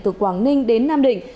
từ quảng ninh đến nam định